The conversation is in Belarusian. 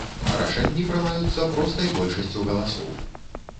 Рашэнні прымаюцца простай большасцю галасоў.